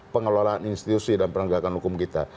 pengelolaan institusi dan penegakan hukum kita